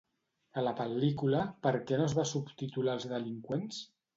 A la pel·lícula, per què no es va subtitular als delinqüents?